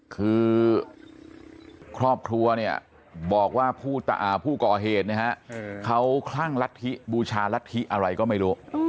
คือครอบครัวเนี่ยบอกว่าผู้ก่อเหตุนะฮะเขาคลั่งรัฐธิบูชารัฐธิอะไรก็ไม่รู้